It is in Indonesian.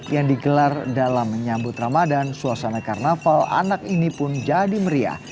yang digelar dalam menyambut ramadan suasana karnaval anak ini pun jadi meriah